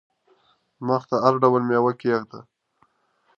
مخ ته هر ډول مېوه کښېږده !